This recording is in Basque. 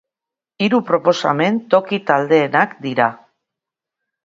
Hiru proposamen toki taldeenak dira.